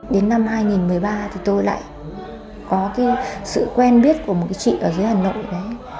đến năm hai nghìn một mươi ba thì tôi lại có cái sự quen biết của một cái chị ở dưới hà nội đấy